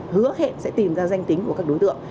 hứa hẹn sẽ tìm ra danh tính của các đối tượng